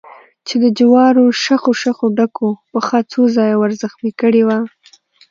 چې د جوارو شخو شخو ډکو پښه څو ځایه ور زخمي کړې وه.